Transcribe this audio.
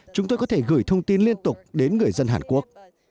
chúng tôi có thể gửi thông tin liên tục đến người dân hàn quốc